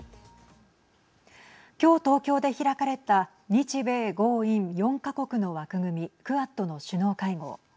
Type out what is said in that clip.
きょう東京で開かれた日米豪印４か国の枠組みクアッドの首脳会合。